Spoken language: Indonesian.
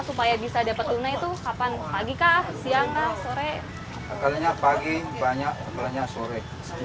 supaya bisa dapat tunai itu kapan pagi kah siang kah sore katanya pagi banyak setelahnya sore